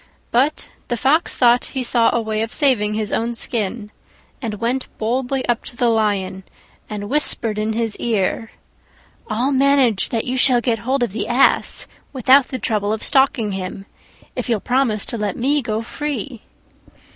But the Fox thought he saw a way of saving his own skin, and went boldly up to the Lion and whispered in his ear, "I'll manage that you shall get hold of the Ass without the trouble of stalking him, if you'll promise to let me go free."